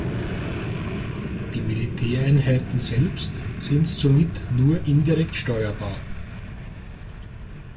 Die Militäreinheiten selbst sind somit nur indirekt steuerbar.